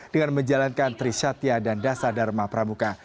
dengan menjalankan trisatya dan dasar dharma pramuka